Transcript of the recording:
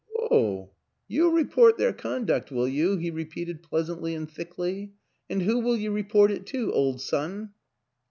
" Oh, you'll report their conduct, will you?" he repeated pleasantly and thickly. " And who will you report it to, old son?